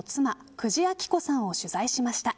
久慈暁子さんを取材しました。